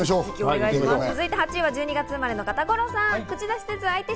続いて８位は１２月生まれの方、五郎さん。